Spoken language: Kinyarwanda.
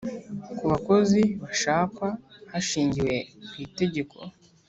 ku bakozi bashakwa hashingiwe kwitegeko